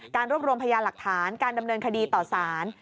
รวบรวมพยานหลักฐานการดำเนินคดีต่อสาร